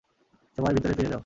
সবাই ভিতরে ফিরে যাও।